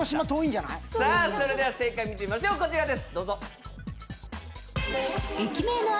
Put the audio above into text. それでは、正解見てみましょう、こちらです。